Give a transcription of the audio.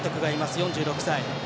４６歳。